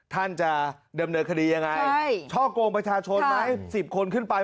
ท่านจะดำเนินคดียังไงช่อกงประชาชนไหม๑๐คนขึ้นไป